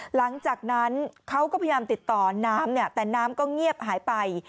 หลังจากนั้นเขาก็พยายามติดต่อน้ำแต่น้ำก็เงียบหายไป